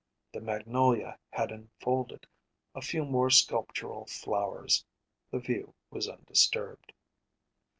The magnolia had unfolded a few more sculptural flowers; the view was undisturbed.